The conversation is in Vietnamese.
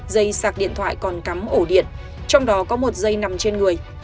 dây sạc điện thoại còn cắm ổ điện trong đó có một dây nằm trên người